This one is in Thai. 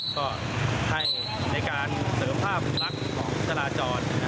ก็ให้ในการเสริมภาพลักษณ์ของจราจร